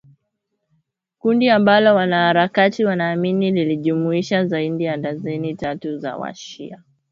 Kundi ambalo wanaharakati wanaamini lilijumuisha zaidi ya darzeni tatu za wa-shia.